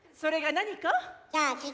何？